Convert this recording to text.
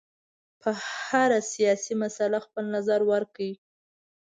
په هره سیاسي مسله خپل نظر ورکړي.